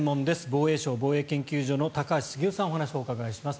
防衛省防衛研究所の高橋杉雄さんにお話をお伺いします。